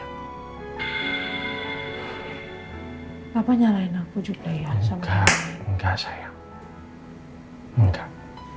ngapain aku juga ya enggak